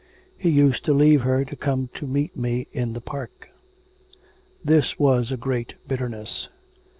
'He used to leave her to come to meet me in the park.' This was a great bitterness.